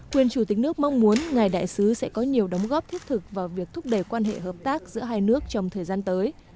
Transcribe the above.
quyền chủ tịch nước mong muốn ngài đại sứ sẽ có nhiều đóng góp thiết thực vào việc thúc đẩy quan hệ hợp tác giữa hai nước trong thời gian tới